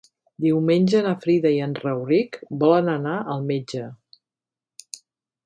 Diumenge na Frida i en Rauric volen anar al metge.